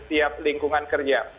setiap lingkungan kerja